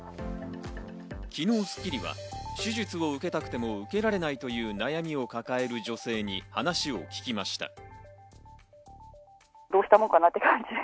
昨日『スッキリ』は手術を受けたくても受けられないという悩みを抱える女性に話を聞きました。